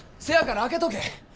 せやから空けとけ。